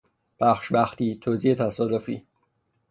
پخش بختی، توزیع تصادفی